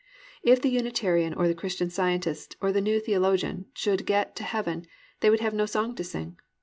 If the Unitarian or the Christian Scientist or the New Theologian should get to heaven they would have no song to sing.